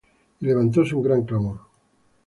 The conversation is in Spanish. Y levantóse un gran clamor: